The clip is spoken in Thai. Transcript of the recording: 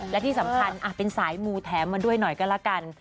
และที่สำคัญเป็นสายมูแถมมาด้วยหน่อยก็แล้วกัน